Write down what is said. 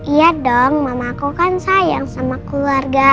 iya dong mama aku kan sayang sama keluarga